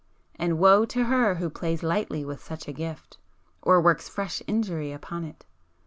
And woe to her who plays lightly with such a gift, or works fresh injury upon it!